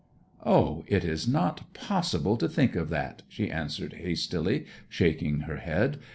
'O, it is not possible to think of that!' she answered hastily, shaking her head.